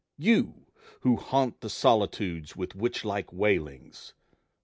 you, who haunt the solitudes With witch like wailings?